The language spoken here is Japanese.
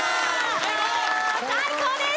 最高です！